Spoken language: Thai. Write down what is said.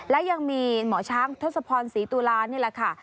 และยังมีหมอช้างทศพรศรีตุลานี่แหละค่ะ